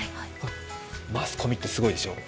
マスコミってすごいでしょ。